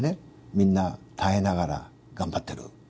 みんな耐えながら頑張ってる。